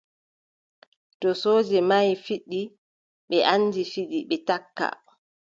To sooje mahi fiɗi, ɓe anndi fiɗi, ɓe takka.